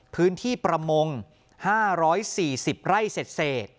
พื้นที่ประมง๕๔๐ไร่เศษ